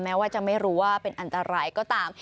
แม้ว่าจะไม่รู้ว่าเป็นอันตรายก็ตาม